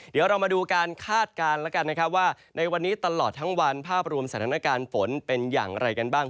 เดี๋ยวเรามาดูการคาดการณ์แล้วกันนะครับว่าในวันนี้ตลอดทั้งวันภาพรวมสถานการณ์ฝนเป็นอย่างไรกันบ้าง